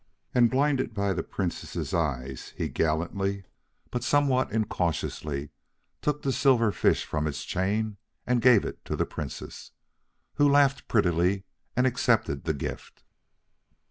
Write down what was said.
And blinded by the Princess's eyes, he gallantly, but somewhat incautiously, took the silver fish from its chain and gave it to the Princess, who laughed prettily, and accepted the gift.